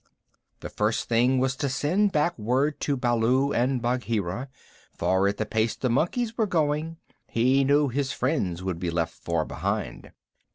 The first thing was to send back word to Baloo and Bagheera, for, at the pace the monkeys were going, he knew his friends would be left far behind.